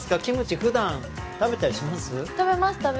キムチ普段食べたりします？